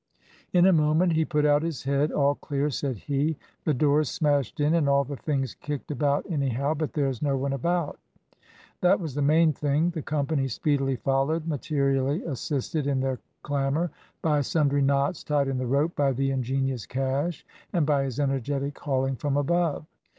In a moment he put out his head. "All clear," said he. "The door's smashed in, and all the things kicked about anyhow; but there's no one about." That was the main thing. The company speedily followed, materially assisted in their clamber by sundry knots tied in the rope by the ingenious Cash, and by his energetic hauling from above.